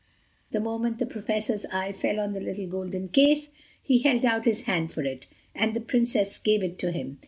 The moment the Professor's eye fell on the little golden case, he held out his hand for it, and the Princess gave it to him.